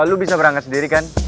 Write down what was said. lu bisa berangkat sendiri kan